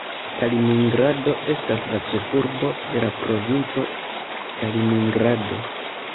Kaliningrado estas la ĉefurbo de la provinco Kaliningrado.